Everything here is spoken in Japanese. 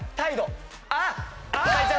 あっ！